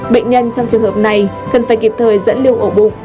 bệnh nhân trong trường hợp này cần phải kịp thời dẫn lưu ổ bụng